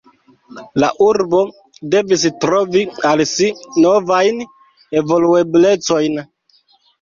La urbo devis trovi al si novajn evolueblecojn.